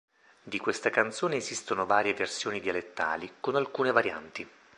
Di questa canzone esistono varie versioni dialettali, con alcune varianti.